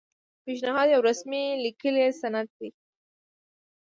پیشنهاد یو رسمي لیکلی سند دی.